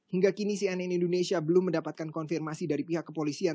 hingga kini cnn indonesia belum mendapatkan konfirmasi dari pihak kepolisian